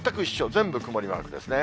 全部曇りマークですね。